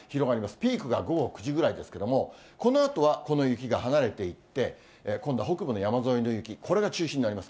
ピークが午後９時ぐらいですけども、このあとはこの雪が離れていって、今度は北部の山沿いの雪、これが中心になります。